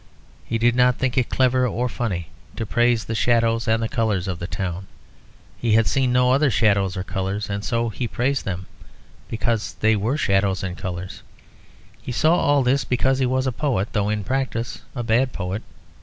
He did not think it clever or funny to praise the shadows and colours of the town; he had seen no other shadows or colours, and so he praised them because they were shadows and colours. He saw all this because he was a poet, though in practice a bad poet.